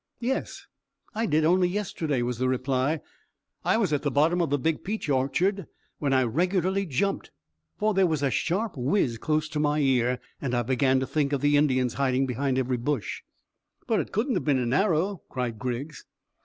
"Yes: I did only yesterday," was the reply. "I was at the bottom of the big peach orchard, when I regularly jumped, for there was a sharp whizz close to my ear, and I began to think of the Indians hiding behind every bush." "But it couldn't have been an arrow," cried Griggs.